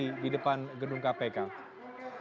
mereka berusaha untuk mencari penuntasan dan mencari penuntasan